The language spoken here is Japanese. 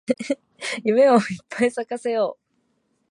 夢をいっぱい咲かせよう